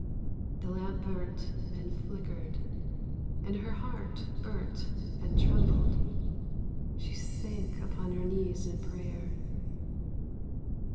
The lamp burnt and flickered, and her heart burnt and trembled. She sank upon her knees in prayer.